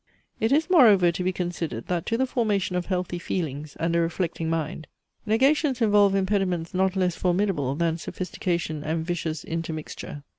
It is, moreover, to be considered that to the formation of healthy feelings, and a reflecting mind, negations involve impediments not less formidable than sophistication and vicious intermixture.